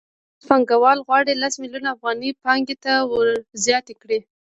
اوس پانګوال غواړي لس میلیونه افغانۍ پانګې ته ورزیاتې کړي